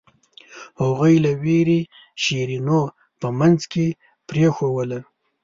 هغوی له وېرې شیرینو په منځ کې پرېښووله.